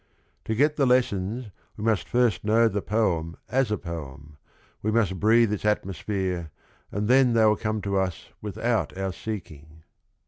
To get the lessons we must first know the poem as a poem, we must breathe its atmo sphere, and then they will come to us without our seeking.